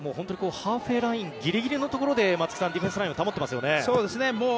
ハーフウェーラインギリギリのところで松木さん、ディフェンスラインを保っていますよね。